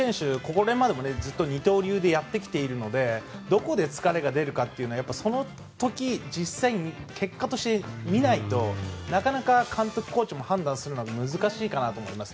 これまでもずっと二刀流でやってきていてどこで疲れが出るかその時実際に結果としてみないとなかなか監督、コーチも判断するのは難しいと思います。